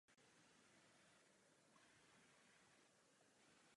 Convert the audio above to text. Stal se také kapitánem týmu.